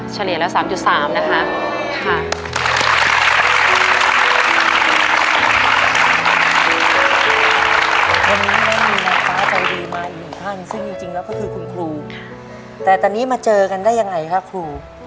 แต่ตอนนี้เข้ามาเจอกันได้อย่างไรคะครู